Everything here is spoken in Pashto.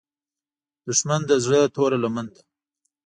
دښمن د زړه توره لمن ده